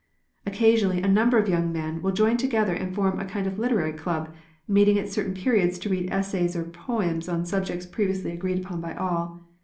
Occasionally a number of young men will join together and form a kind of literary club, meet ing at certain periods to read essays or poems on sub jects previously agreed upon by all.